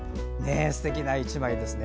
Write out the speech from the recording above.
すてきな１枚ですね。